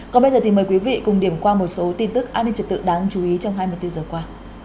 còn bây giờ thì mời quý vị cùng điểm qua một số tin tức an ninh trật tự đáng chú ý trong hai mươi bốn giờ qua